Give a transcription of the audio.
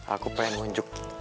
aku pengen munjuk